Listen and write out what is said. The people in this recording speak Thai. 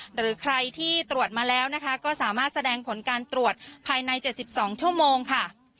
หรือใครที่ตรวจมาแล้วนะคะก็สามารถแสดงผลการตรวจภายใน๗๒ชั่วโมงค่ะ